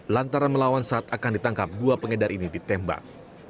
lantaran melawan saat akan ditangkap dua pengedar ini ditembak